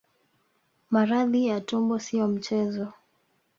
Maradhi ya tumbo sio mchezo